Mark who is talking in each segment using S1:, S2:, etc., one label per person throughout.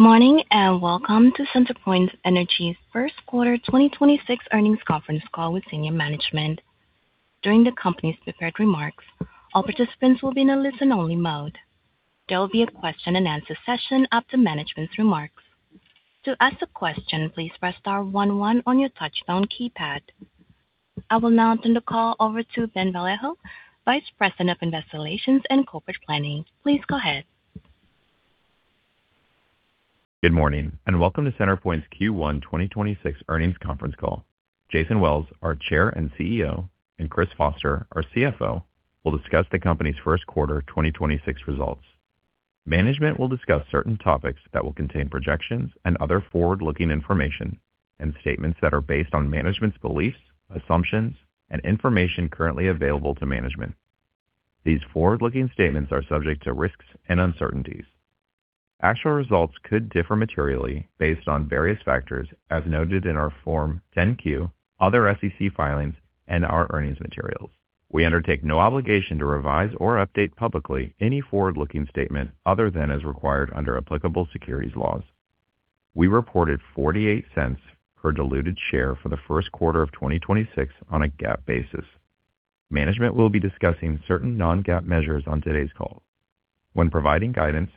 S1: Good morning, and welcome to CenterPoint Energy's first quarter 2026 earnings conference call with senior management. During the company's prepared remarks, all participants will be in a listen-only mode. There will be a question-and-answer session after management's remarks. To ask a question, please press star one one on your touch-tone keypad. I will now turn the call over to Ben Vallejo, Vice President of Investor Relations and Corporate Planning. Please go ahead.
S2: Good morning, and welcome to CenterPoint's Q1 2026 Earnings Conference Call. Jason Wells, our Chair and CEO, and Chris Foster, our CFO, will discuss the company's first quarter 2026 results. Management will discuss certain topics that will contain projections and other forward-looking information and statements that are based on management's beliefs, assumptions, and information currently available to management. These forward-looking statements are subject to risks and uncertainties. Actual results could differ materially based on various factors as noted in our Form 10-Q, other SEC filings, and our earnings materials. We undertake no obligation to revise or update publicly any forward-looking statement other than as required under applicable securities laws. We reported $0.48 per diluted share for the first quarter of 2026 on a GAAP basis. Management will be discussing certain non-GAAP measures on today's call. When providing guidance,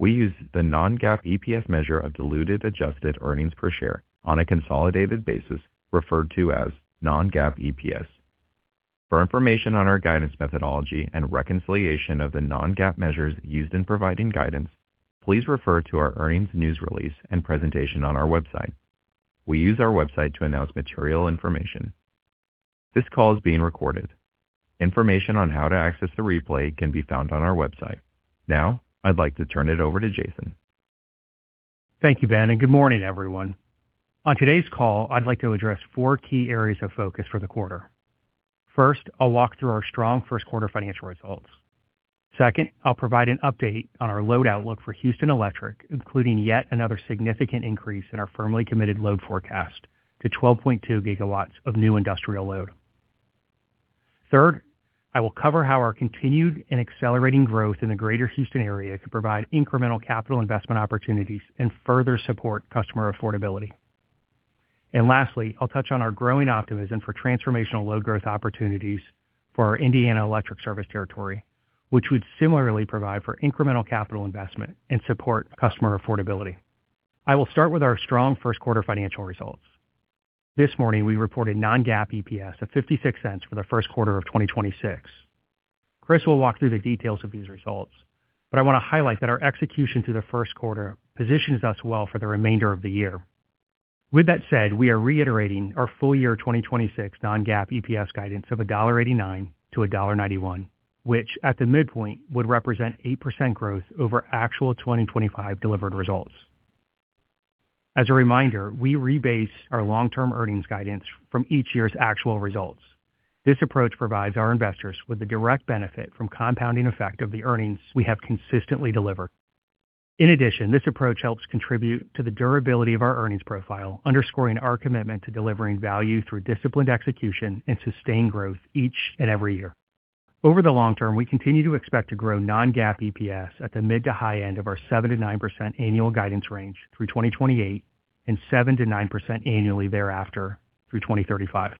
S2: we use the non-GAAP EPS measure of diluted adjusted earnings per share on a consolidated basis, referred to as non-GAAP EPS. For information on our guidance methodology and reconciliation of the non-GAAP measures used in providing guidance, please refer to our earnings news release and presentation on our website. We use our website to announce material information. This call is being recorded. Information on how to access the replay can be found on our website. Now, I'd like to turn it over to Jason.
S3: Thank you, Ben, and good morning, everyone. On today's call, I'd like to address 4 key areas of focus for the quarter. First, I'll walk through our strong first quarter financial results. Second, I'll provide an update on our load outlook for Houston Electric, including yet another significant increase in our firmly committed load forecast to 12.2 GW of new industrial load. Third, I will cover how our continued and accelerating growth in the Greater Houston area could provide incremental capital investment opportunities and further support customer affordability. Lastly, I'll touch on our growing optimism for transformational load growth opportunities for our Indiana Electric service territory, which would similarly provide for incremental capital investment and support customer affordability. I will start with our strong first quarter financial results. This morning, we reported non-GAAP EPS of $0.56 for the first quarter of 2026. Chris will walk through the details of these results, but I want to highlight that our execution through the first quarter positions us well for the remainder of the year. With that said, we are reiterating our full year 2026 non-GAAP EPS guidance of $1.89-$1.91, which at the midpoint would represent 8% growth over actual 2025 delivered results. As a reminder, we rebase our long-term earnings guidance from each year's actual results. This approach provides our investors with the direct benefit from compounding effect of the earnings we have consistently delivered. In addition, this approach helps contribute to the durability of our earnings profile, underscoring our commitment to delivering value through disciplined execution and sustained growth each and every year. Over the long term, we continue to expect to grow non-GAAP EPS at the mid to high end of our 7%-9% annual guidance range through 2028 and 7%-9% annually thereafter through 2035.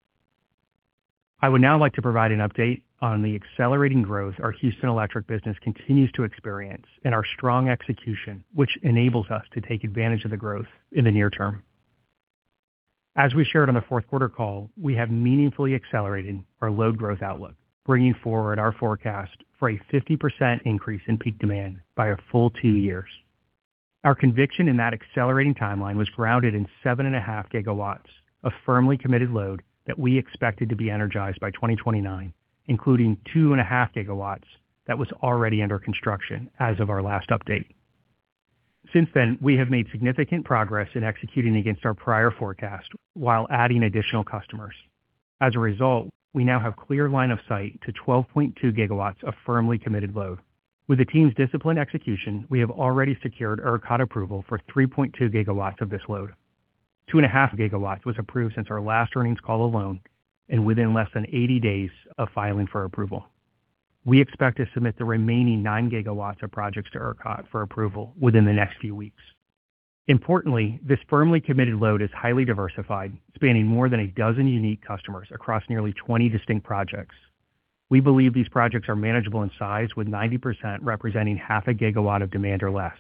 S3: I would now like to provide an update on the accelerating growth our Houston Electric business continues to experience and our strong execution, which enables us to take advantage of the growth in the near term. As we shared on the fourth quarter call, we have meaningfully accelerated our load growth outlook, bringing forward our forecast for a 50% increase in peak demand by a full two years. Our conviction in that accelerating timeline was grounded in 7.5 GW of firmly committed load that we expected to be energized by 2029, including 2.5 GW that was already under construction as of our last update. Since then, we have made significant progress in executing against our prior forecast while adding additional customers. As a result, we now have clear line of sight to 12.2 GW of firmly committed load. With the team's disciplined execution, we have already secured ERCOT approval for 3.2 GW of this load. 2.5 GW was approved since our last earnings call alone and within less than 80 days of filing for approval. We expect to submit the remaining 9 GW of projects to ERCOT for approval within the next few weeks. Importantly, this firmly committed load is highly diversified, spanning more than a dozen unique customers across nearly 20 distinct projects. We believe these projects are manageable in size, with 90% representing half a GW of demand or less.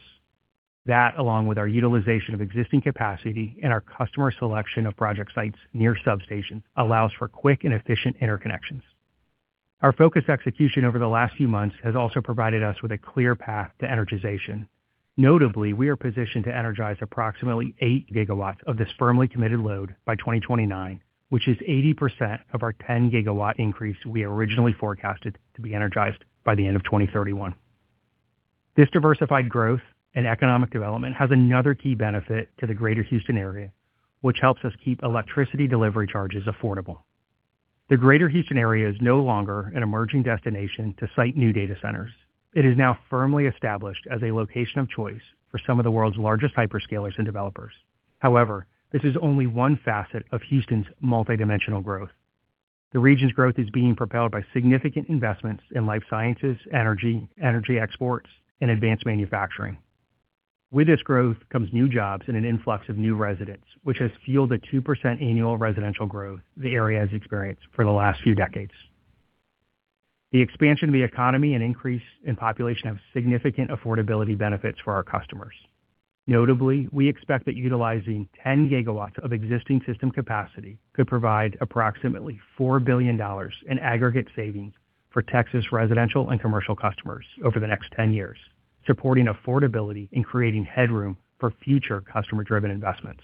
S3: That, along with our utilization of existing capacity and our customer selection of project sites near substations, allows for quick and efficient interconnections. Our focused execution over the last few months has also provided us with a clear path to energization. Notably, we are positioned to energize approximately 8 GW of this firmly committed load by 2029, which is 80% of our 10 GW increase we originally forecasted to be energized by the end of 2031. This diversified growth and economic development has another key benefit to the Greater Houston area, which helps us keep electricity delivery charges affordable. The Greater Houston area is no longer an emerging destination to site new data centers. It is now firmly established as a location of choice for some of the world's largest hyperscalers and developers. However, this is only one facet of Houston's multidimensional growth. The region's growth is being propelled by significant investments in life sciences, energy exports, and advanced manufacturing. With this growth comes new jobs and an influx of new residents, which has fueled a 2% annual residential growth the area has experienced for the last few decades. The expansion of the economy and increase in population have significant affordability benefits for our customers. Notably, we expect that utilizing 10 GW of existing system capacity could provide approximately $4 billion in aggregate savings for Texas residential and commercial customers over the next 10 years, supporting affordability and creating headroom for future customer-driven investments.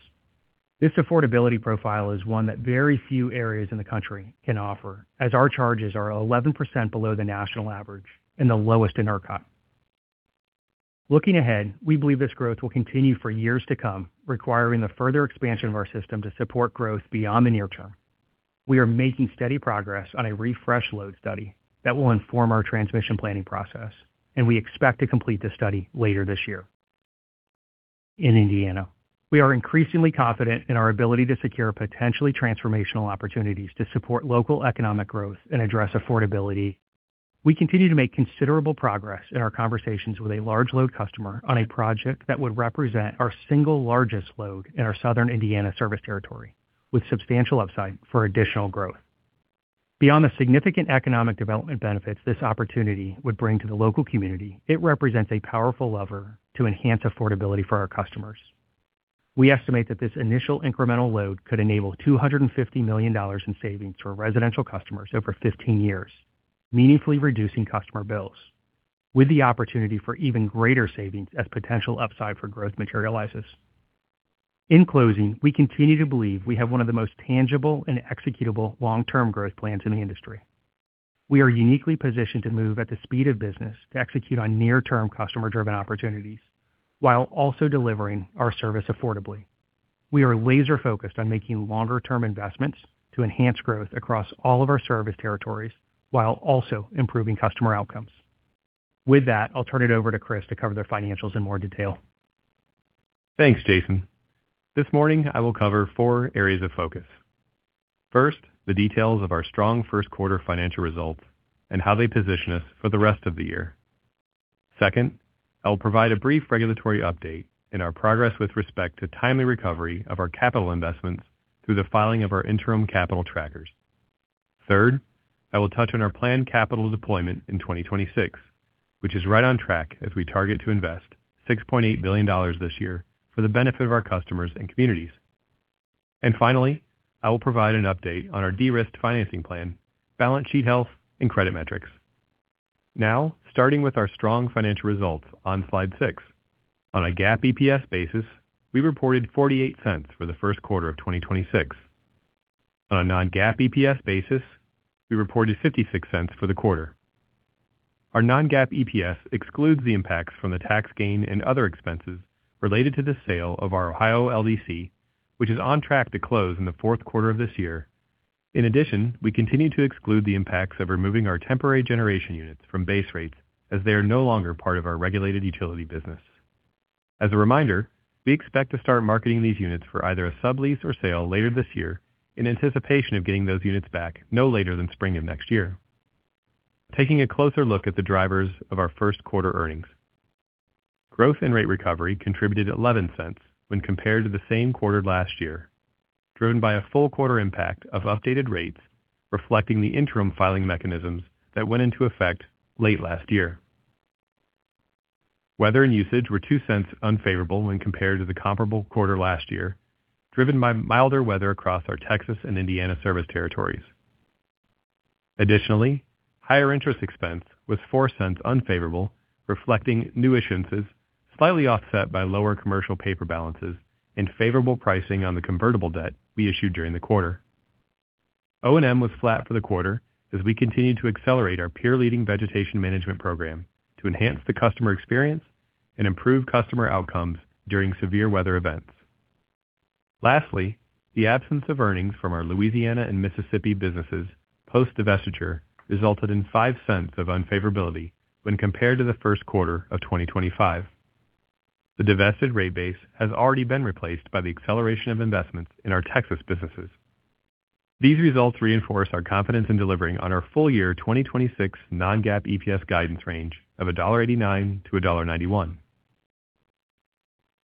S3: This affordability profile is one that very few areas in the country can offer, as our charges are 11% below the national average and the lowest in ERCOT. Looking ahead, we believe this growth will continue for years to come, requiring the further expansion of our system to support growth beyond the near term. We are making steady progress on a refresh load study that will inform our transmission planning process, and we expect to complete this study later this year. In Indiana, we are increasingly confident in our ability to secure potentially transformational opportunities to support local economic growth and address affordability. We continue to make considerable progress in our conversations with a large load customer on a project that would represent our single largest load in our Southern Indiana service territory, with substantial upside for additional growth. Beyond the significant economic development benefits this opportunity would bring to the local community, it represents a powerful lever to enhance affordability for our customers. We estimate that this initial incremental load could enable $250 million in savings for residential customers over 15 years, meaningfully reducing customer bills with the opportunity for even greater savings as potential upside for growth materializes. In closing, we continue to believe we have one of the most tangible and executable long-term growth plans in the industry. We are uniquely positioned to move at the speed of business to execute on near-term customer-driven opportunities while also delivering our service affordably. We are laser-focused on making longer-term investments to enhance growth across all of our service territories while also improving customer outcomes. With that, I'll turn it over to Chris to cover the financials in more detail.
S4: Thanks, Jason. This morning, I will cover four areas of focus. First, the details of our strong first quarter financial results and how they position us for the rest of the year. Second, I will provide a brief regulatory update in our progress with respect to timely recovery of our capital investments through the filing of our interim capital trackers. Third, I will touch on our planned capital deployment in 2026, which is right on track as we target to invest $6.8 billion this year for the benefit of our customers and communities. Finally, I will provide an update on our de-risked financing plan, balance sheet health, and credit metrics. Now, starting with our strong financial results on slide six. On a GAAP EPS basis, we reported $0.48 for the first quarter of 2026. On a non-GAAP EPS basis, we reported $0.56 for the quarter. Our non-GAAP EPS excludes the impacts from the tax gain and other expenses related to the sale of our Ohio LDC, which is on track to close in the fourth quarter of this year. In addition, we continue to exclude the impacts of removing our temporary generation units from base rates as they are no longer part of our regulated utility business. As a reminder, we expect to start marketing these units for either a sublease or sale later this year in anticipation of getting those units back no later than spring of next year. Taking a closer look at the drivers of our first quarter earnings. Growth and rate recovery contributed $0.11 when compared to the same quarter last year, driven by a full quarter impact of updated rates, reflecting the interim filing mechanisms that went into effect late last year. Weather and usage were $0.02 unfavorable when compared to the comparable quarter last year, driven by milder weather across our Texas and Indiana service territories. Additionally, higher interest expense was $0.04 unfavorable, reflecting new issuances, slightly offset by lower commercial paper balances and favorable pricing on the convertible debt we issued during the quarter. O&M was flat for the quarter as we continued to accelerate our peer-leading vegetation management program to enhance the customer experience and improve customer outcomes during severe weather events. Lastly, the absence of earnings from our Louisiana and Mississippi businesses post-divestiture resulted in $0.05 of unfavorability when compared to the first quarter of 2025. The divested rate base has already been replaced by the acceleration of investments in our Texas businesses. These results reinforce our confidence in delivering on our full year 2026 non-GAAP EPS guidance range of $1.89-$1.91.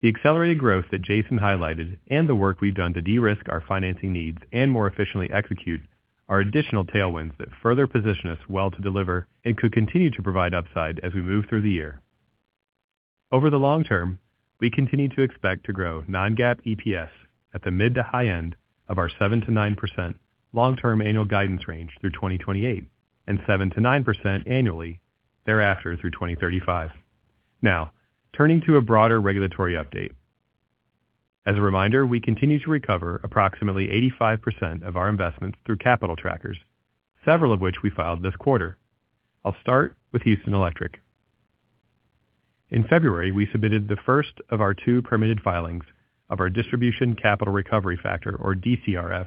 S4: The accelerated growth that Jason highlighted and the work we've done to de-risk our financing needs and more efficiently execute are additional tailwinds that further position us well to deliver and could continue to provide upside as we move through the year. Over the long term, we continue to expect to grow non-GAAP EPS at the mid to high end of our 7%-9% long-term annual guidance range through 2028, and 7%-9% annually thereafter through 2035. Now, turning to a broader regulatory update. As a reminder, we continue to recover approximately 85% of our investments through capital trackers, several of which we filed this quarter. I'll start with Houston Electric. In February, we submitted the first of our two permitted filings of our distribution capital recovery factor, or DCRF,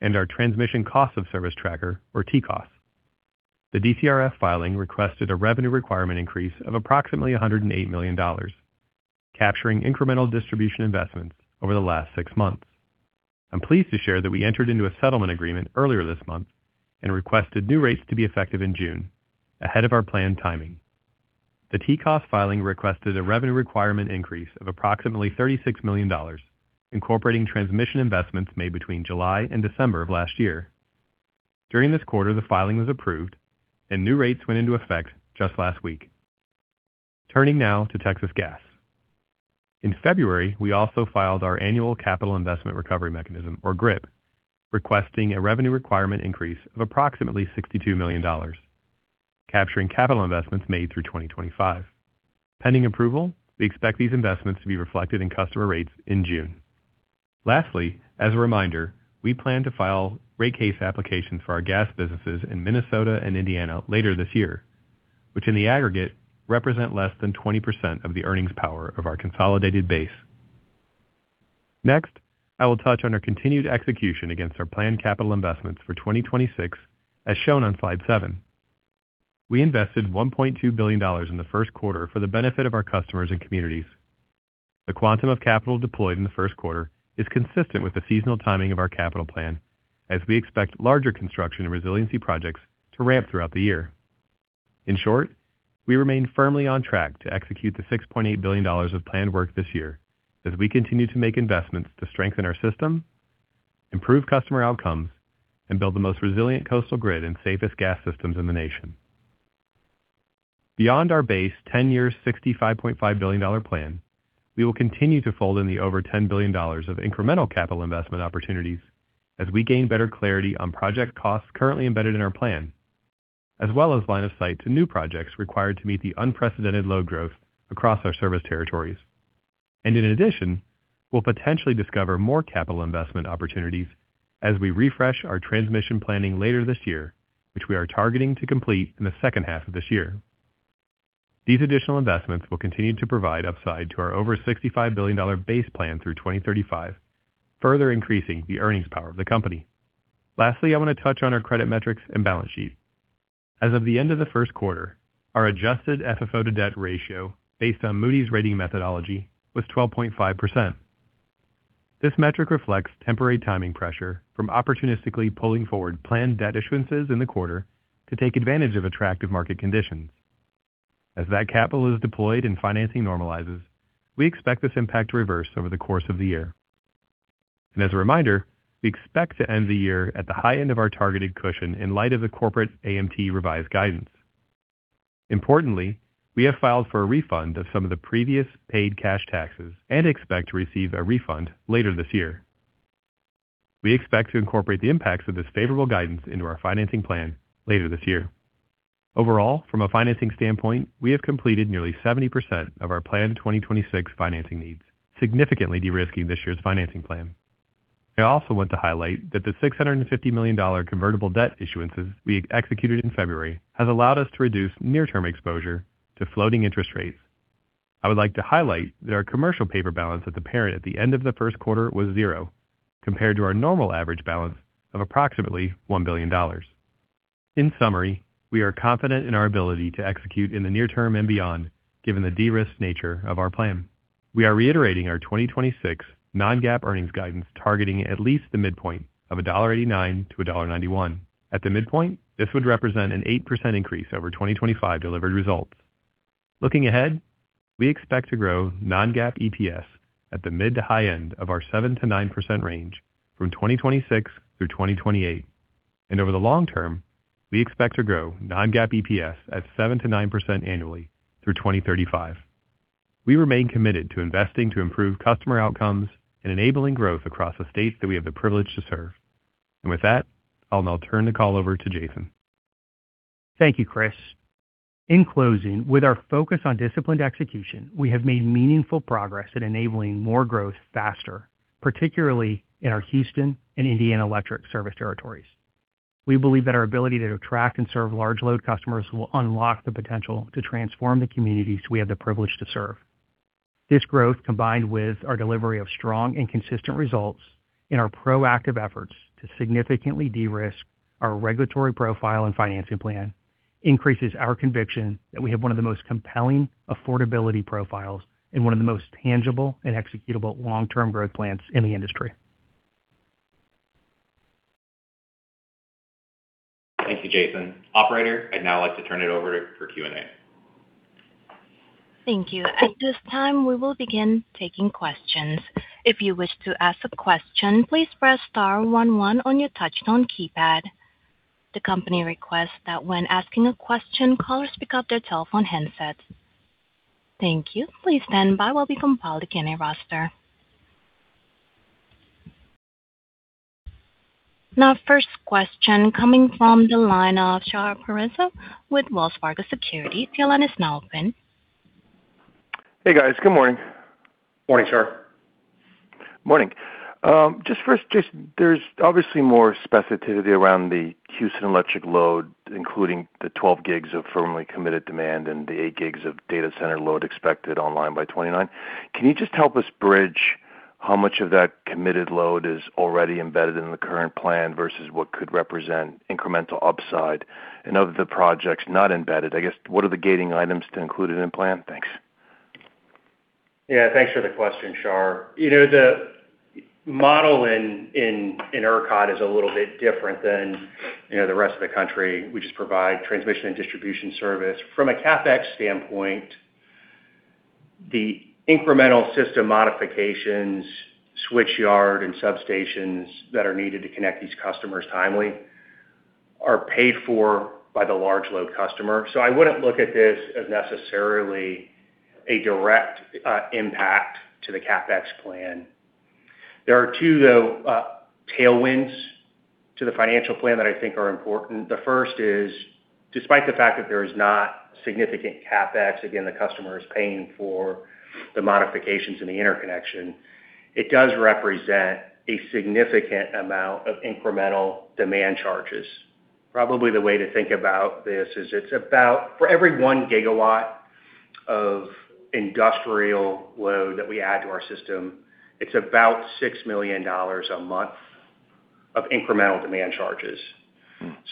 S4: and our transmission cost of service tracker, or TCOS. The DCRF filing requested a revenue requirement increase of approximately $108 million, capturing incremental distribution investments over the last six months. I'm pleased to share that we entered into a settlement agreement earlier this month and requested new rates to be effective in June, ahead of our planned timing. The TCOS filing requested a revenue requirement increase of approximately $36 million, incorporating transmission investments made between July and December of last year. During this quarter, the filing was approved, and new rates went into effect just last week. Turning now to Texas Gas. In February, we also filed our annual capital investment recovery mechanism, or GRIP, requesting a revenue requirement increase of approximately $62 million, capturing capital investments made through 2025. Pending approval, we expect these investments to be reflected in customer rates in June. Lastly, as a reminder, we plan to file rate case applications for our gas businesses in Minnesota and Indiana later this year, which in the aggregate, represent less than 20% of the earnings power of our consolidated base. Next, I will touch on our continued execution against our planned capital investments for 2026, as shown on slide seven. We invested $1.2 billion in the first quarter for the benefit of our customers and communities. The quantum of capital deployed in the first quarter is consistent with the seasonal timing of our capital plan as we expect larger construction and resiliency projects to ramp throughout the year. In short, we remain firmly on track to execute the $6.8 billion of planned work this year as we continue to make investments to strengthen our system, improve customer outcomes, and build the most resilient coastal grid and safest gas systems in the nation. Beyond our base 10-year $65.5 billion plan, we will continue to fold in the over $10 billion of incremental capital investment opportunities as we gain better clarity on project costs currently embedded in our plan, as well as line of sight to new projects required to meet the unprecedented load growth across our service territories. In addition, we'll potentially discover more capital investment opportunities as we refresh our transmission planning later this year, which we are targeting to complete in the second half of this year. These additional investments will continue to provide upside to our over $65 billion base plan through 2035, further increasing the earnings power of the company. Lastly, I want to touch on our credit metrics and balance sheet. As of the end of the first quarter, our adjusted FFO to debt ratio, based on Moody's rating methodology, was 12.5%. This metric reflects temporary timing pressure from opportunistically pulling forward planned debt issuances in the quarter to take advantage of attractive market conditions. As that capital is deployed and financing normalizes, we expect this impact to reverse over the course of the year. As a reminder, we expect to end the year at the high end of our targeted cushion in light of the Corporate AMT revised guidance. Importantly, we have filed for a refund of some of the previous paid cash taxes and expect to receive a refund later this year. We expect to incorporate the impacts of this favorable guidance into our financing plan later this year. Overall, from a financing standpoint, we have completed nearly 70% of our planned 2026 financing needs, significantly de-risking this year's financing plan. I also want to highlight that the $650 million convertible debt issuances we executed in February has allowed us to reduce near-term exposure to floating interest rates. I would like to highlight that our commercial paper balance at the parent at the end of the first quarter was zero, compared to our normal average balance of approximately $1 billion. In summary, we are confident in our ability to execute in the near term and beyond given the de-risked nature of our plan. We are reiterating our 2026 non-GAAP earnings guidance targeting at least the midpoint of $1.89-$1.91. At the midpoint, this would represent an 8% increase over 2025 delivered results. Looking ahead, we expect to grow non-GAAP EPS at the mid to high end of our 7%-9% range from 2026 through 2028. Over the long term, we expect to grow non-GAAP EPS at 7%-9% annually through 2035. We remain committed to investing to improve customer outcomes and enabling growth across the states that we have the privilege to serve. With that, I'll now turn the call over to Jason.
S3: Thank you, Chris. In closing, with our focus on disciplined execution, we have made meaningful progress at enabling more growth faster, particularly in our Houston Electric and Indiana Electric service territories. We believe that our ability to attract and serve large load customers will unlock the potential to transform the communities we have the privilege to serve. This growth, combined with our delivery of strong and consistent results and our proactive efforts to significantly de-risk our regulatory profile and financing plan, increases our conviction that we have one of the most compelling affordability profiles and one of the most tangible and executable long-term growth plans in the industry.
S2: Thank you, Jason. Operator, I'd now like to turn it over for Q&A.
S1: Thank you. At this time, we will begin taking questions. If you wish to ask a question, please press star one one on your touch tone keypad. The company requests that when asking a question, callers pick up their telephone handsets. Thank you. Please stand by while we compile the Q&A roster. Now first question coming from the line of Shahriar Pourreza with Wells Fargo Securities. Your line is now open.
S5: Hey, guys. Good morning.
S3: Morning, Shahriar.
S5: Morning. Just first, there's obviously more specificity around the Houston Electric load, including the 12 GW of firmly committed demand and the 8 GW of data center load expected online by 2029. Can you just help us bridge. How much of that committed load is already embedded in the current plan versus what could represent incremental upside? And of the projects not embedded, I guess, what are the gating items to include it in plan? Thanks.
S3: Yeah. Thanks for the question, Shahriar. The model in ERCOT is a little bit different than the rest of the country. We just provide transmission and distribution service. From a CapEx standpoint, the incremental system modifications, switch yard, and substations that are needed to connect these customers timely are paid for by the large load customer. I wouldn't look at this as necessarily a direct impact to the CapEx plan. There are two, though, tailwinds to the financial plan that I think are important. The first is, despite the fact that there is not significant CapEx, again, the customer is paying for the modifications in the interconnection, it does represent a significant amount of incremental demand charges. Probably the way to think about this is it's about for every 1 GW of industrial load that we add to our system, it's about $6 million a month of incremental demand charges.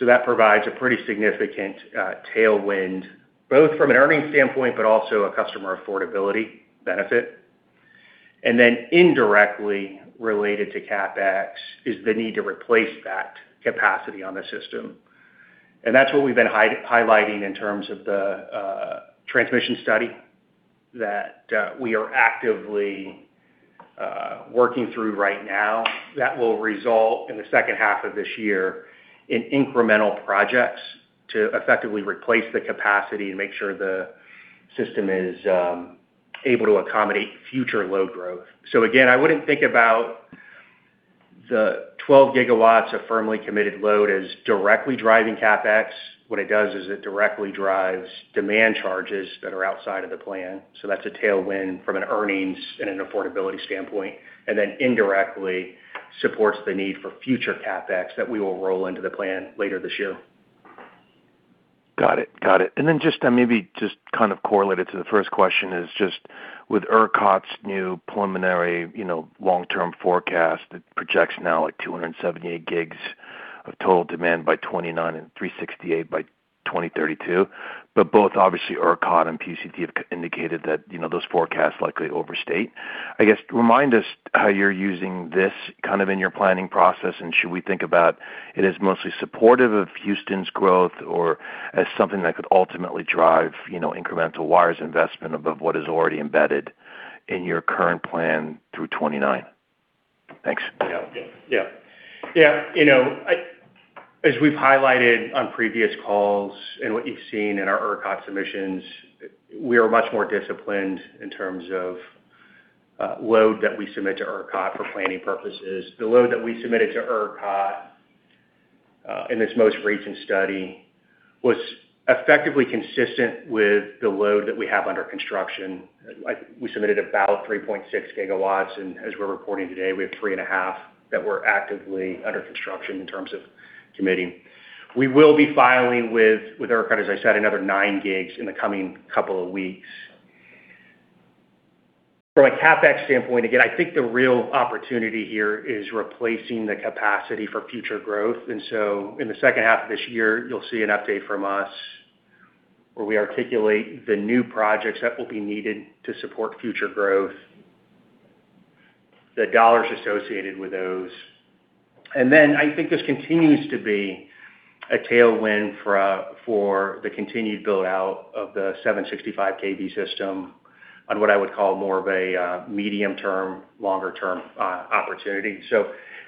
S3: That provides a pretty significant tailwind, both from an earnings standpoint, but also a customer affordability benefit. Then indirectly related to CapEx is the need to replace that capacity on the system. That's what we've been highlighting in terms of the transmission study that we are actively working through right now that will result in the second half of this year in incremental projects to effectively replace the capacity and make sure the system is able to accommodate future load growth. Again, I wouldn't think about the 12 GW of firmly committed load as directly driving CapEx. What it does is it directly drives demand charges that are outside of the plan, so that's a tailwind from an earnings and an affordability standpoint, and then indirectly supports the need for future CapEx that we will roll into the plan later this year.
S5: Got it. Then just to maybe just kind of correlate it to the first question is just with ERCOT's new preliminary long-term forecast that projects now like 278 gigs of total demand by 2029 and 368 by 2032. Both, obviously, ERCOT and PUCT have indicated that those forecasts likely overstate. I guess, remind us how you're using this kind of in your planning process, and should we think about it as mostly supportive of Houston's growth or as something that could ultimately drive incremental wires investment above what is already embedded in your current plan through 2029? Thanks.
S3: Yeah. As we've highlighted on previous calls and what you've seen in our ERCOT submissions, we are much more disciplined in terms of load that we submit to ERCOT for planning purposes. The load that we submitted to ERCOT, in its most recent study, was effectively consistent with the load that we have under construction. We submitted about 3.6 GW, and as we're reporting today, we have 3.5 GW that were actively under construction in terms of committing. We will be filing with ERCOT, as I said, another 9 GW in the coming couple of weeks. From a CapEx standpoint, again, I think the real opportunity here is replacing the capacity for future growth. In the second half of this year, you'll see an update from us where we articulate the new projects that will be needed to support future growth, the dollars associated with those. I think this continues to be a tailwind for the continued build-out of the 765 kV system on what I would call more of a medium-term, longer-term opportunity.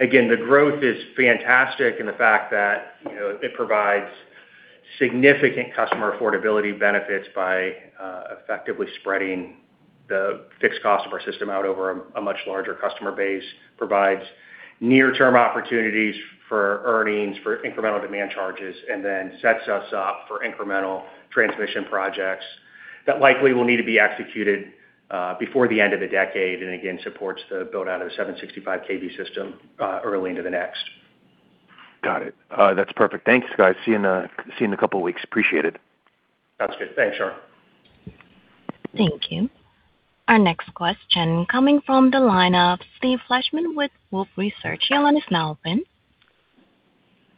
S3: Again, the growth is fantastic, and the fact that it provides significant customer affordability benefits by effectively spreading the fixed cost of our system out over a much larger customer base provides near-term opportunities for earnings for incremental demand charges, and then sets us up for incremental transmission projects that likely will need to be executed before the end of the decade, and again, supports the build-out of the 765 kV system early into the next.
S5: Got it. That's perfect. Thanks, guys. See you in a couple of weeks. Appreciate it.
S3: Sounds good. Thanks, Shahriar.
S1: Thank you. Our next question coming from the line of Steve Fleishman with Wolfe Research. Your line is now open.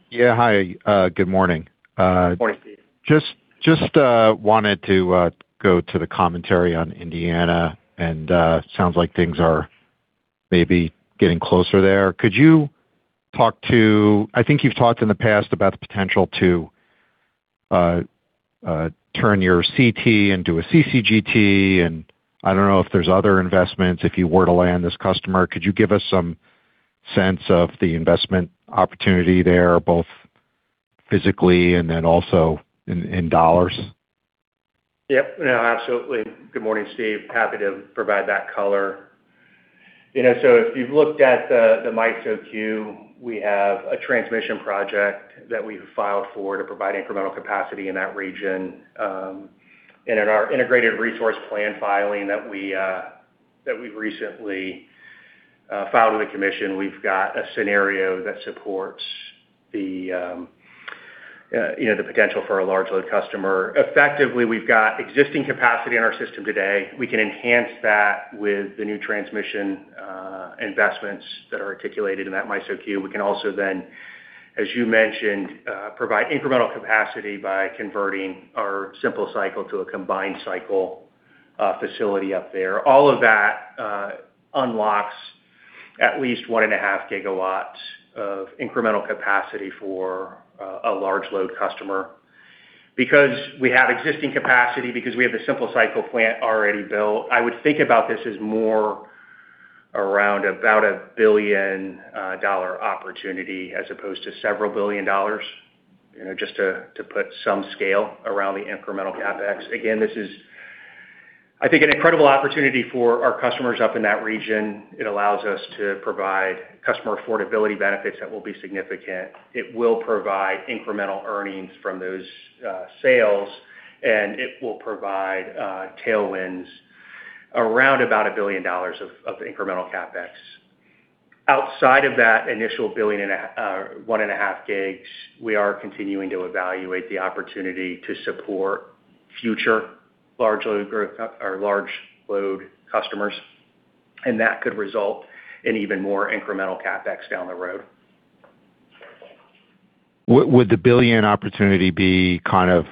S6: Yeah. Hi. Good morning.
S3: Morning, Steve.
S6: Just wanted to go to the commentary on Indiana, and sounds like things are maybe getting closer there. I think you've talked in the past about the potential to turn your CT into a CCGT, and I don't know if there's other investments if you were to land this customer. Could you give us some sense of the investment opportunity there, both physically and then also in dollars?
S3: Yep. No, absolutely. Good morning, Steve. Happy to provide that color. If you've looked at the MISO queue, we have a transmission project that we've filed for to provide incremental capacity in that region. In our integrated resource plan filing that we've recently filed with the commission, we've got a scenario that supports the potential for a large load customer. Effectively, we've got existing capacity in our system today. We can enhance that with the new transmission investments that are articulated in that MISO queue. We can also then, as you mentioned, provide incremental capacity by converting our simple cycle to a combined cycle facility up there. All of that unlocks at least 1.5 GW of incremental capacity for a large load customer. Because we have existing capacity, because we have the simple cycle plant already built, I would think about this as more around about a $1 billion opportunity as opposed to several billion dollars, just to put some scale around the incremental CapEx. Again, this is, I think, an incredible opportunity for our customers up in that region. It allows us to provide customer affordability benefits that will be significant. It will provide incremental earnings from those sales, and it will provide tailwinds around about $1 billion of incremental CapEx. Outside of that initial $1 billion and 1.5 GW, we are continuing to evaluate the opportunity to support future large load customers, and that could result in even more incremental CapEx down the road.
S6: Would the billion opportunity be kind of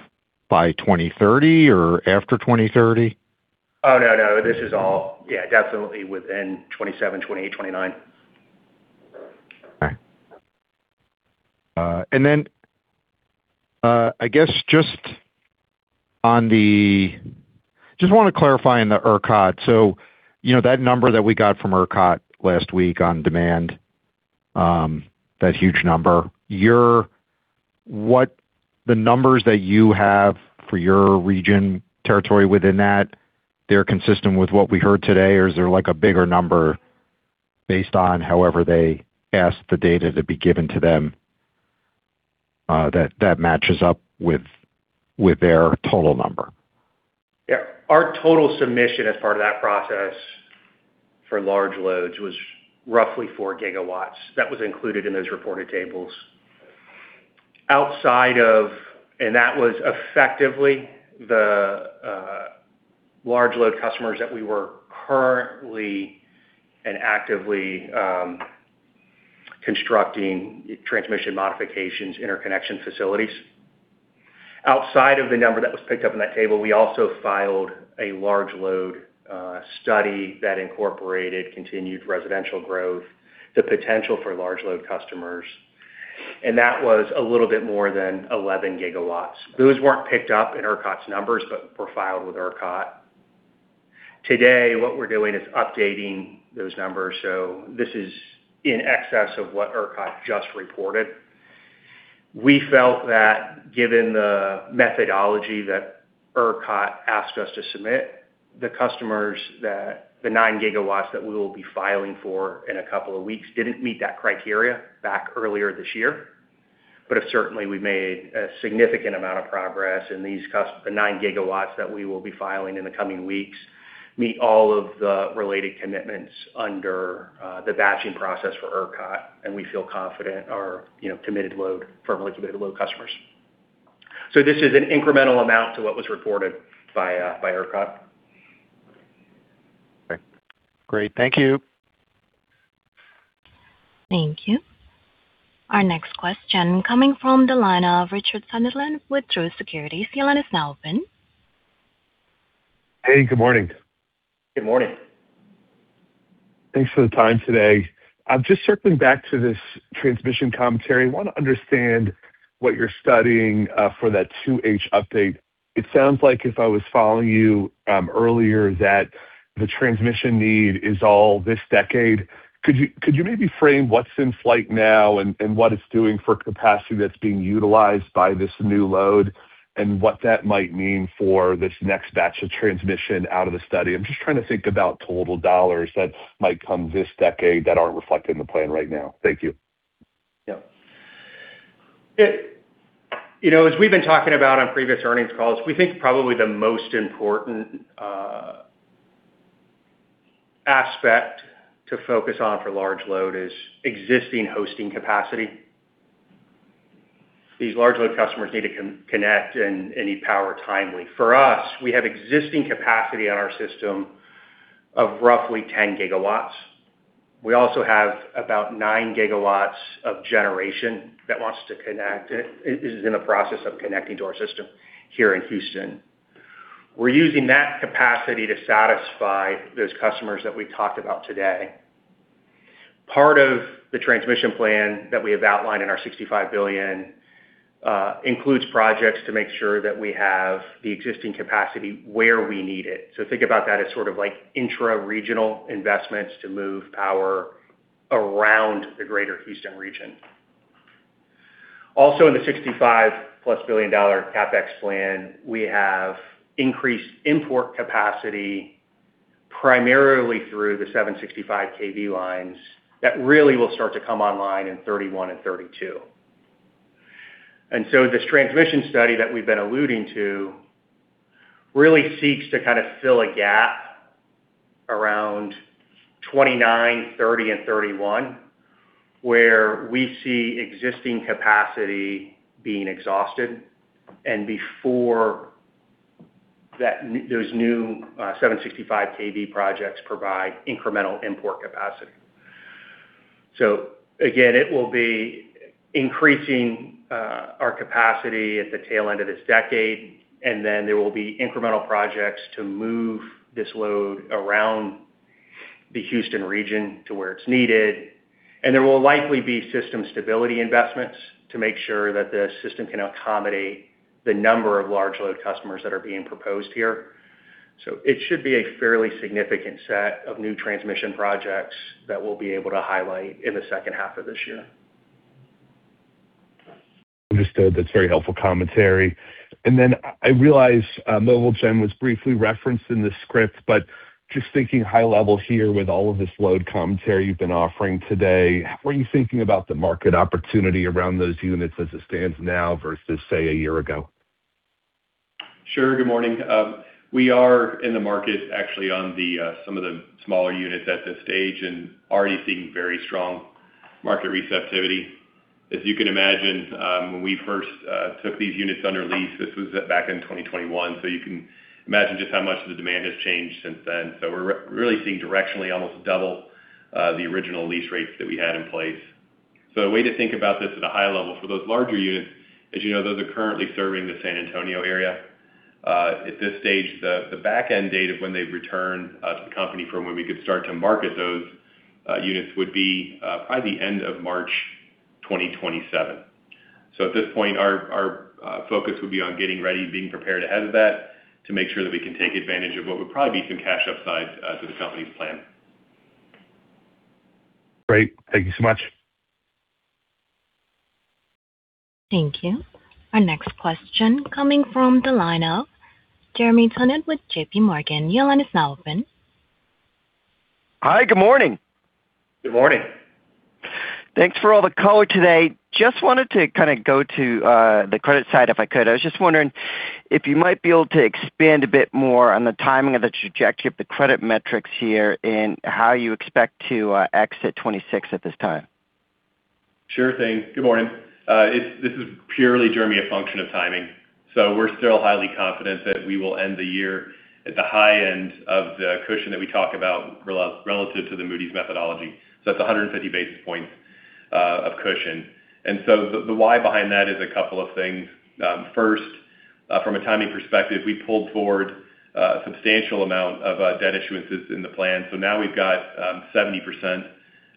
S6: by 2030 or after 2030?
S3: Oh, no. This is all, yeah, definitely within 2027, 2028, 2029.
S6: Okay. I guess just want to clarify on the ERCOT. That number that we got from ERCOT last week on demand, that huge number, the numbers that you have for your region territory within that, they're consistent with what we heard today or is there like a bigger number based on however they asked the data to be given to them, that matches up with their total number?
S3: Yeah. Our total submission as part of that process for large loads was roughly 4 GW. That was included in those reported tables. That was effectively the large load customers that we were currently and actively constructing transmission modifications, interconnection facilities. Outside of the number that was picked up in that table, we also filed a large load study that incorporated continued residential growth, the potential for large load customers, and that was a little bit more than 11 GW. Those weren't picked up in ERCOT's numbers, but were filed with ERCOT. Today, what we're doing is updating those numbers. This is in excess of what ERCOT just reported. We felt that given the methodology that ERCOT asked us to submit, the customers that the 9 GW that we will be filing for in a couple of weeks didn't meet that criteria back earlier this year. Certainly, we made a significant amount of progress in these, the 9 GW that we will be filing in the coming weeks meet all of the related commitments under the batching process for ERCOT, and we feel confident are committed load, firmly committed load customers. This is an incremental amount to what was reported by ERCOT.
S6: Okay. Great. Thank you.
S1: Thank you. Our next question coming from the line of Richard Sunderland with Truist Securities. The line is now open.
S7: Hey, good morning.
S3: Good morning.
S7: Thanks for the time today. Just circling back to this transmission commentary, want to understand what you're studying for that 2H update. It sounds like if I was following you earlier, that the transmission need is all this decade. Could you maybe frame what's in flight now and what it's doing for capacity that's being utilized by this new load, and what that might mean for this next batch of transmission out of the study? I'm just trying to think about total dollars that might come this decade that aren't reflected in the plan right now. Thank you.
S3: Yeah. As we've been talking about on previous earnings calls, we think probably the most important aspect to focus on for large load is existing hosting capacity. These large load customers need to connect and need power timely. For us, we have existing capacity on our system of roughly 10 GW. We also have about 9 GW of generation that wants to connect. It is in the process of connecting to our system here in Houston. We're using that capacity to satisfy those customers that we talked about today. Part of the transmission plan that we have outlined in our $65 billion includes projects to make sure that we have the existing capacity where we need it. Think about that as sort of like intra-regional investments to move power around the greater Houston region. Also, in the $65+ billion CapEx plan, we have increased import capacity primarily through the 765 kV lines that really will start to come online in 2031 and 2032. This transmission study that we've been alluding to really seeks to kind of fill a gap around 2029, 2030, and 2031, where we see existing capacity being exhausted and before those new 765 kV projects provide incremental import capacity. Again, it will be increasing our capacity at the tail end of this decade, and then there will be incremental projects to move this load around the Houston region to where it's needed. There will likely be system stability investments to make sure that the system can accommodate the number of large load customers that are being proposed here. It should be a fairly significant set of new transmission projects that we'll be able to highlight in the second half of this year.
S7: Understood. That's very helpful commentary. I realize mobile gen was briefly referenced in the script, but just thinking high level here with all of this load commentary you've been offering today, what are you thinking about the market opportunity around those units as it stands now versus, say, a year ago?
S4: Sure. Good morning. We are in the market actually on some of the smaller units at this stage and already seeing very strong market receptivity. As you can imagine, when we first took these units under lease, this was back in 2021, so you can imagine just how much the demand has changed since then. We're really seeing directionally almost double the original lease rates that we had in place. A way to think about this at a high level for those larger units is, those are currently serving the San Antonio area. At this stage, the back-end date of when they'd return to the company from when we could start to market those units would be probably the end of March 2027. At this point, our focus would be on getting ready, being prepared ahead of that to make sure that we can take advantage of what would probably be some cash upside to the company's plan.
S7: Great. Thank you so much.
S1: Thank you. Our next question coming from the line of Jeremy Tonet with JPMorgan. Your line is now open.
S8: Hi, good morning.
S3: Good morning.
S8: Thanks for all the color today. Just wanted to kind of go to the credit side, if I could. I was just wondering if you might be able to expand a bit more on the timing of the trajectory of the credit metrics here and how you expect to exit 2026 at this time.
S4: Sure thing. Good morning. This is purely, Jeremy, a function of timing. We're still highly confident that we will end the year at the high end of the cushion that we talk about relative to the Moody's methodology. That's 150 basis points of cushion. The why behind that is a couple of things. First, from a timing perspective, we pulled forward a substantial amount of debt issuances in the plan. Now we've got 70%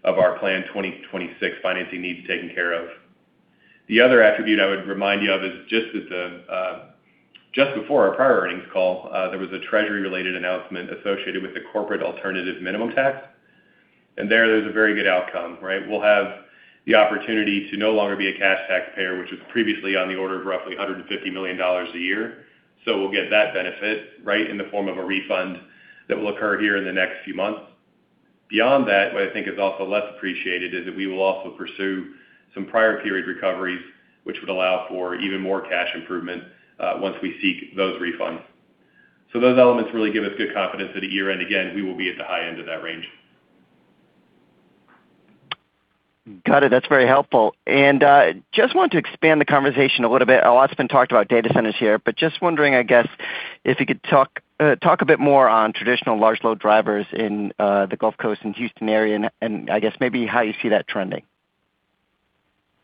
S4: of our plan 2026 financing needs taken care of. The other attribute I would remind you of is just before our prior earnings call, there was a Treasury-related announcement associated with the Corporate Alternative Minimum Tax. There, there's a very good outcome, right? We'll have the opportunity to no longer be a cash taxpayer, which was previously on the order of roughly $150 million a year. We'll get that benefit right in the form of a refund that will occur here in the next few months. Beyond that, what I think is also less appreciated is that we will also pursue some prior period recoveries, which would allow for even more cash improvement once we seek those refunds. Those elements really give us good confidence that at year-end, again, we will be at the high end of that range.
S8: Got it. That's very helpful. Just want to expand the conversation a little bit. A lot's been talked about data centers here, but just wondering, I guess, if you could talk a bit more on traditional large load drivers in the Gulf Coast and Houston area and I guess maybe how you see that trending?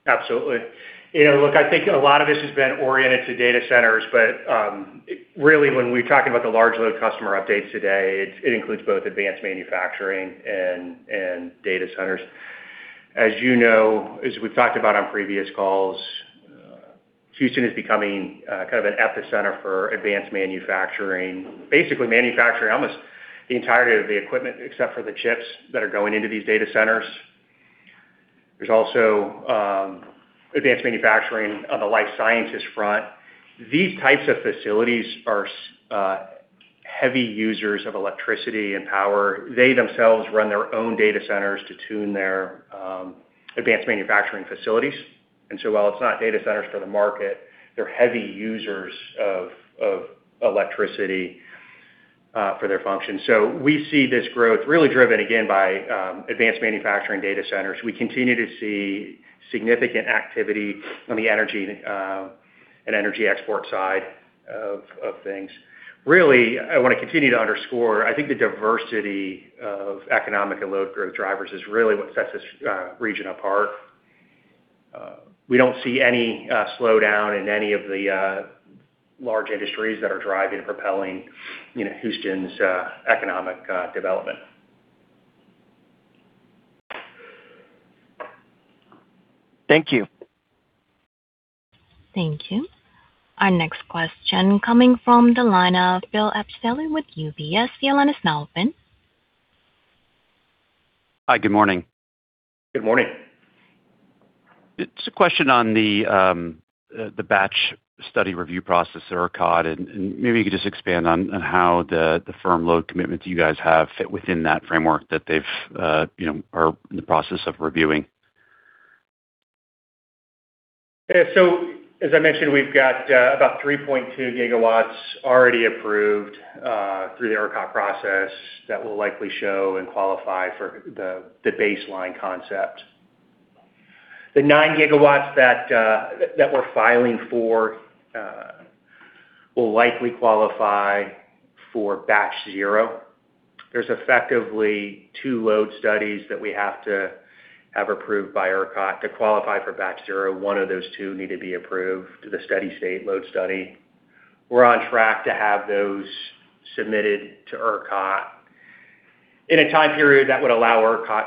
S3: Absolutely. Look, I think a lot of this has been oriented to data centers, but really when we talk about the large load customer updates today, it includes both advanced manufacturing and data centers. As you know, as we've talked about on previous calls, Houston is becoming kind of an epicenter for advanced manufacturing. Basically manufacturing almost the entirety of the equipment except for the chips that are going into these data centers. There's also advanced manufacturing on the life sciences front. These types of facilities are heavy users of electricity and power. They themselves run their own data centers to tune their advanced manufacturing facilities. While it's not data centers for the market, they're heavy users of electricity for their function. We see this growth really driven, again, by advanced manufacturing data centers. We continue to see significant activity on the energy and energy export side of things. Really, I want to continue to underscore, I think the diversity of economic and load growth drivers is really what sets this region apart. We don't see any slowdown in any of the large industries that are driving and propelling Houston's economic development.
S8: Thank you.
S1: Thank you. Our next question coming from the line of Bill Appicelli with UBS. Your line is now open.
S9: Hi, good morning.
S3: Good morning.
S9: Just a question on the Batch Zero review process at ERCOT, and maybe you could just expand on how the firm load commitments you guys have fit within that framework that they are in the process of reviewing?
S3: As I mentioned, we've got about 3.2 GW already approved through the ERCOT process that will likely show and qualify for the baseline concept. The 9 GW that we're filing for will likely qualify for Batch Zero. There's effectively two load studies that we have to have approved by ERCOT. To qualify for Batch Zero, one of those two need to be approved to the steady-state load study. We're on track to have those submitted to ERCOT in a time period that would allow ERCOT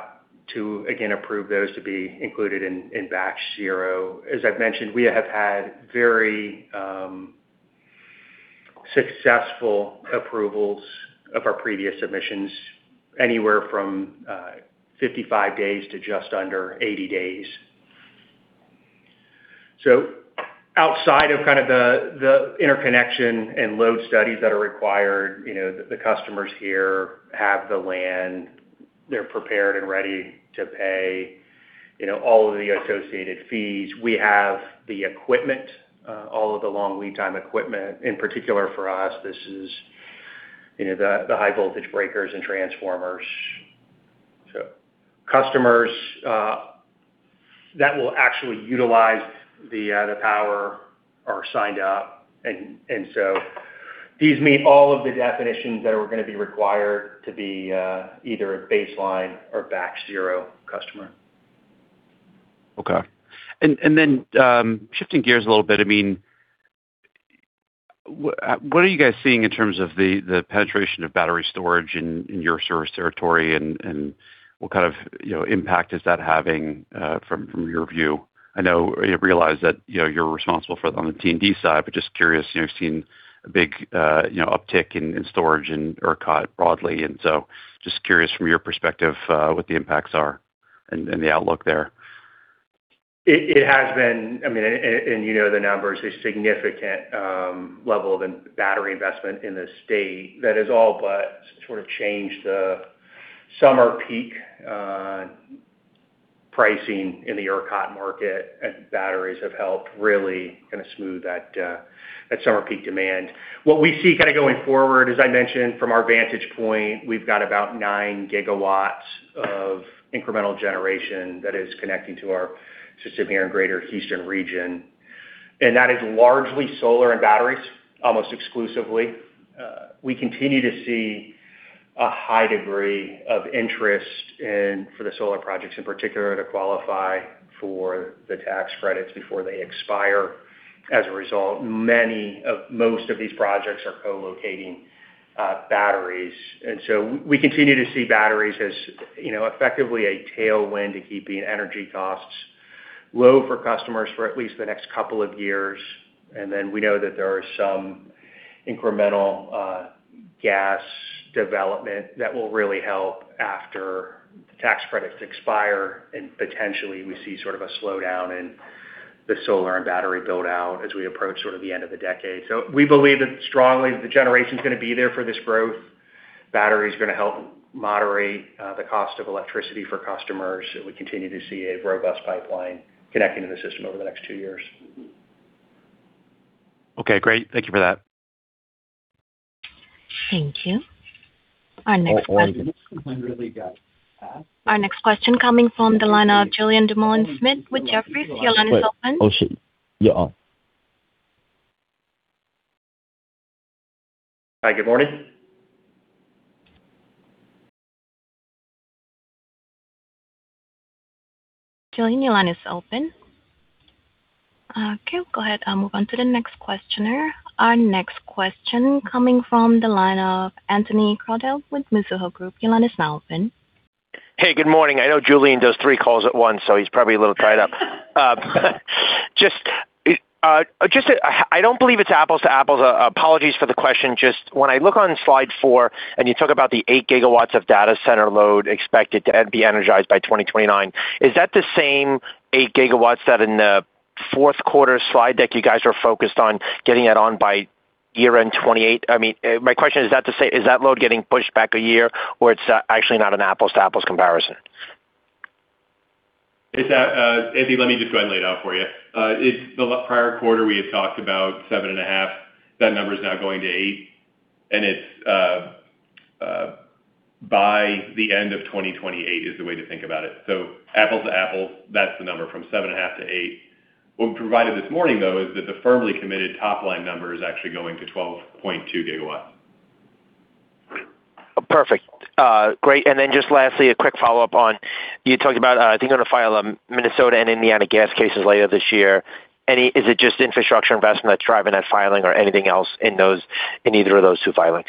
S3: to, again, approve those to be included in Batch Zero. As I've mentioned, we have had very successful approvals of our previous submissions, anywhere from 55 days to just under 80 days. Outside of kind of the interconnection and load studies that are required, the customers here have the land. They're prepared and ready to pay all of the associated fees. We have the equipment, all of the long lead time equipment. In particular, for us, this is the high voltage breakers and transformers. So customers that will actually utilize the power are signed up. These meet all of the definitions that are going to be required to be either a Baseline or Batch Zero customer.
S9: Okay. Shifting gears a little bit, what are you guys seeing in terms of the penetration of battery storage in your service territory, and what kind of impact is that having from your view? I realize that you're responsible for it on the T&D side, but just curious, you've seen a big uptick in storage and ERCOT broadly. Just curious from your perspective what the impacts are and the outlook there.
S3: You know the numbers, a significant level of battery investment in the state that has all but sort of changed the summer peak pricing in the ERCOT market. Batteries have helped really kind of smooth that summer peak demand. What we see kind of going forward, as I mentioned from our vantage point, we've got about 9 GW of incremental generation that is connecting to our system here in greater Houston region, and that is largely solar and batteries, almost exclusively. We continue to see a high degree of interest for the solar projects in particular to qualify for the tax credits before they expire. As a result, most of these projects are co-locating batteries. We continue to see batteries as effectively a tailwind to keeping energy costs low for customers for at least the next couple of years. We know that there are some incremental gas development that will really help after the tax credits expire. Potentially we see sort of a slowdown in the solar and battery build-out as we approach sort of the end of the decade. We believe that strongly the generation is going to be there for this growth. Battery is going to help moderate the cost of electricity for customers, and we continue to see a robust pipeline connecting to the system over the next two years.
S9: Okay, great. Thank you for that.
S1: Thank you. Our next question coming from the line of Julien Dumoulin-Smith with Jefferies. Your line is open.
S10: Hi. Good morning.
S1: Julien, your line is open. Okay, go ahead. I'll move on to the next questioner. Our next question coming from the line of Anthony Crowdell with Mizuho Group. Your line is now open.
S11: Hey, good morning. I know Julien does three calls at once, so he's probably a little tied up. I don't believe it's apples to apples. Apologies for the question. Just when I look on slide four and you talk about the 8 GW of data center load expected to be energized by 2029, is that the same 8 GW that in the fourth quarter slide deck you guys are focused on getting that on by year-end 2028? My question is that load getting pushed back a year or it's actually not an apples to apples comparison?
S3: Anthony, let me just go ahead and lay it out for you. In the prior quarter, we had talked about 7.5 GW. That number is now going to 8 GW, and it's by the end of 2028 is the way to think about it. Apples to apples, that's the number from 7.5 GW to 8 GW. What we provided this morning, though, is that the firmly committed top-line number is actually going to 12.2 GW.
S11: Perfect. Great. Just lastly, a quick follow-up on, you talked about, I think, going to file Minnesota and Indiana gas cases later this year. Is it just infrastructure investment that's driving that filing or anything else in either of those two filings?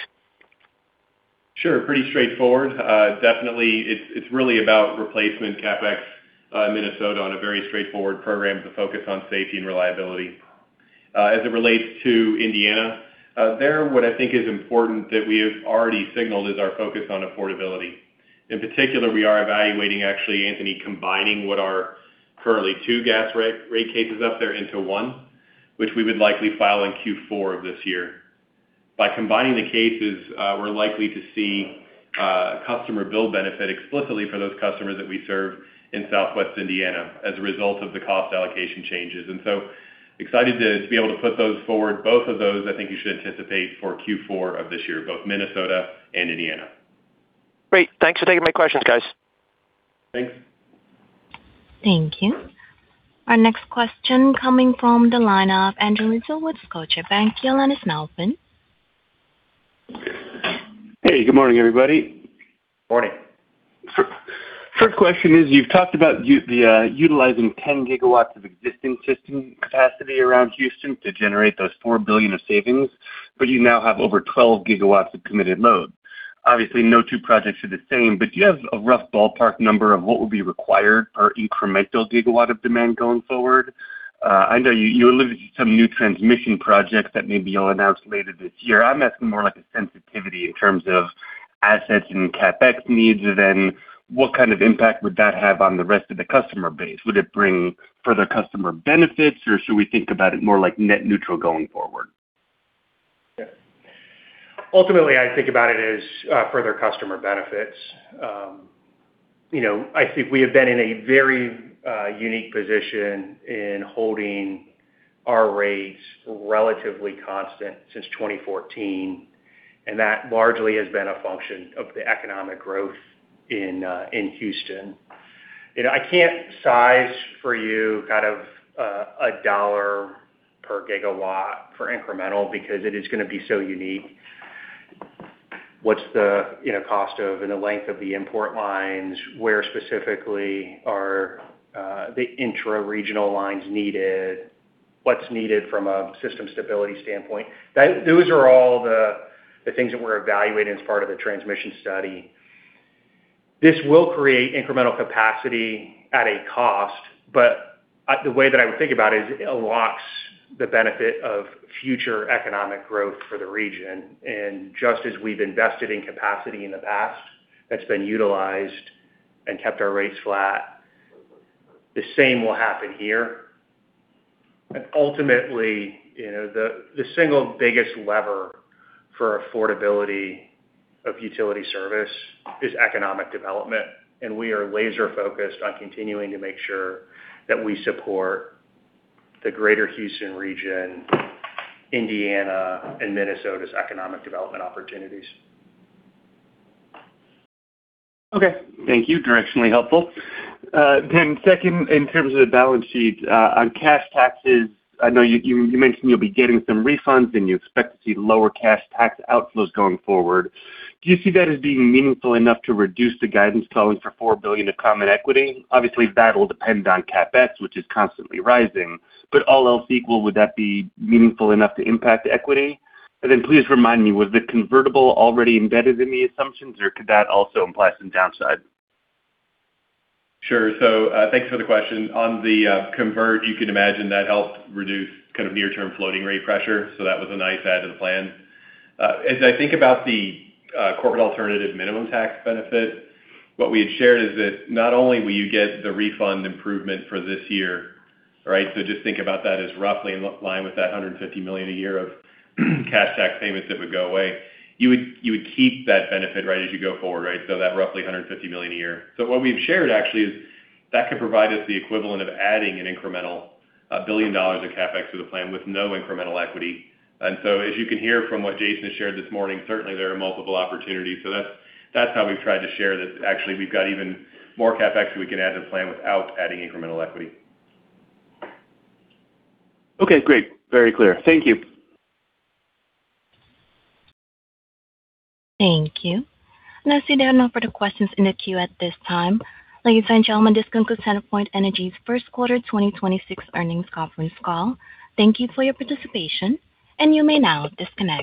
S4: Sure. Pretty straightforward. Definitely. It's really about replacement CapEx, Minnesota, on a very straightforward program to focus on safety and reliability. As it relates to Indiana, there what I think is important that we have already signaled is our focus on affordability. In particular, we are evaluating actually, Anthony, combining what are currently two gas rate cases up there into one, which we would likely file in Q4 of this year. By combining the cases, we're likely to see customer bill benefit explicitly for those customers that we serve in Southwest Indiana as a result of the cost allocation changes. Excited to be able to put those forward. Both of those, I think you should anticipate for Q4 of this year, both Minnesota and Indiana.
S11: Great. Thanks for taking my questions, guys.
S3: Thanks.
S1: Thank you. Our next question coming from the line of Andrew Weisel with Scotiabank. Your line is now open.
S12: Hey, good morning, everybody.
S3: Morning.
S12: First question is, you've talked about utilizing 10 GW of existing system capacity around Houston to generate those $4 billion of savings, but you now have over 12 GW of committed load. Obviously, no two projects are the same, but do you have a rough ballpark number of what will be required per incremental gigawatt of demand going forward? I know you alluded to some new transmission projects that maybe you'll announce later this year. I'm asking more like a sensitivity in terms of assets and CapEx needs, then what kind of impact would that have on the rest of the customer base? Would it bring further customer benefits or should we think about it more like net neutral going forward?
S3: Yeah. Ultimately, I think about it as further customer benefits. I think we have been in a very unique position in holding our rates relatively constant since 2014, and that largely has been a function of the economic growth in Houston. I can't size for you kind of a dollar per gigawatt for incremental because it is going to be so unique. What's the cost of and the length of the import lines? Where specifically are the intra-regional lines needed? What's needed from a system stability standpoint? Those are all the things that we're evaluating as part of the transmission study. This will create incremental capacity at a cost, but the way that I would think about it is it unlocks the benefit of future economic growth for the region. Just as we've invested in capacity in the past that's been utilized and kept our rates flat, the same will happen here. Ultimately, the single biggest lever for affordability of utility service is economic development, and we are laser-focused on continuing to make sure that we support the greater Houston region, Indiana, and Minnesota's economic development opportunities.
S12: Okay. Thank you. Directionally helpful. Second, in terms of the balance sheet, on cash taxes, I know you mentioned you'll be getting some refunds and you expect to see lower cash tax outflows going forward. Do you see that as being meaningful enough to reduce the guidance calling for $4 billion of common equity? Obviously, that will depend on CapEx, which is constantly rising. All else equal, would that be meaningful enough to impact equity? And then please remind me, was the convertible already embedded in the assumptions or could that also imply some downside?
S4: Sure. Thanks for the question. On the convert, you can imagine that helped reduce kind of near-term floating rate pressure. That was a nice add to the plan. As I think about the corporate alternative minimum tax benefit, what we had shared is that not only will you get the refund improvement for this year, right? Just think about that as roughly in line with that $150 million a year of cash tax payments that would go away. You would keep that benefit right as you go forward, right? That roughly $150 million a year. What we've shared actually is that could provide us the equivalent of adding an incremental, $1 billion of CapEx to the plan with no incremental equity. As you can hear from what Jason has shared this morning, certainly there are multiple opportunities. That's how we've tried to share this. Actually, we've got even more CapEx we can add to the plan without adding incremental equity.
S12: Okay, great. Very clear. Thank you.
S1: Thank you. I see there are no further questions in the queue at this time. Ladies and gentlemen, this concludes CenterPoint Energy's first quarter 2026 earnings conference call. Thank you for your participation, and you may now disconnect.